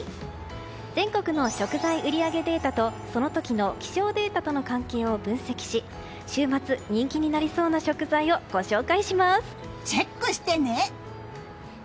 全国の食材売り上げデータとその時の気象データとの関係を分析し週末人気になりそうな食材をチェックしてね！